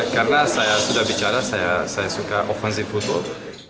karena saya sudah bicara saya suka offensive football